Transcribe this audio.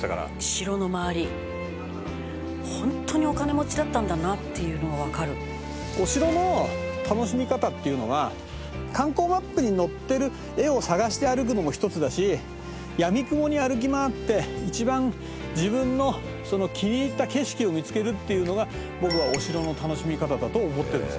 「城の周り」「ホントにお金持ちだったんだなっていうのがわかる」お城の楽しみ方っていうのは観光マップに載ってる絵を探して歩くのも一つだしやみくもに歩き回って一番自分の気に入った景色を見つけるっていうのが僕はお城の楽しみ方だと思ってるんですよ。